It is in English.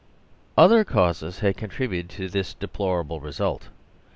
Othercauses had contributed to this deplorable re sult.